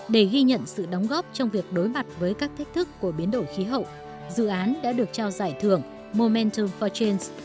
để ghi nhận sự đóng góp trong việc đối mặt với các thách thức của biến đổi khí hậu dự án đã được trao giải thưởng momentum for change